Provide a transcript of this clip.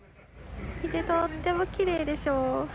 見て、とってもきれいでしょ。